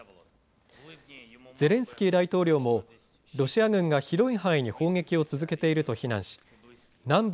ゼレンスキー大統領もロシア軍が広い範囲に砲撃を続けていると非難し南部